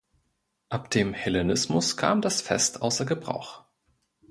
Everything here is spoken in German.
Ab dem Hellenismus kam das Fest außer Gebrauch.